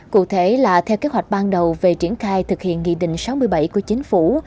cụ thể là theo kế hoạch ban đầu về triển khai thực hiện nghị định sáu mươi bảy của chính phủ